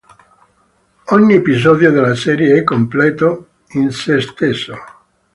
Ogni episodio della serie è completo in sé stesso.